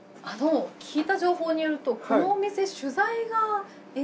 聞いた情報によるとこのお店。